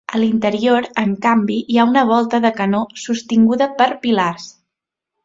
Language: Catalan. A l'interior en canvi hi ha una volta de canó sostinguda per pilars.